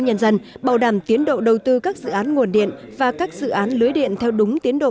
nhân dân bảo đảm tiến độ đầu tư các dự án nguồn điện và các dự án lưới điện theo đúng tiến độ